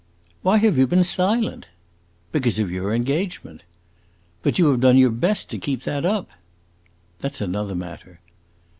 "Why have you been silent?" "Because of your engagement." "But you have done your best to keep that up." "That 's another matter!"